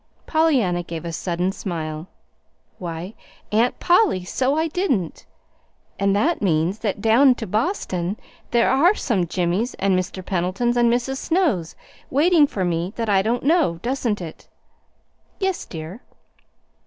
Pollyanna gave a sudden smile. "Why, Aunt Polly, so I didn't! And that means that down to Boston there are some Jimmys and Mr. Pendletons and Mrs. Snows waiting for me that I don't know, doesn't it?" "Yes, dear."